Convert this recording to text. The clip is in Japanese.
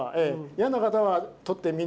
嫌な方は取って。